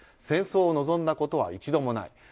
戦争を望んだことは一度もない。